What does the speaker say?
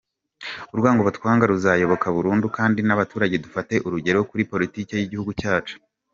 Urwongo batwanga ruzayoyoka burundu kdi nk'abaturage dufate urugero Kuri politike y'igihugu cyacu.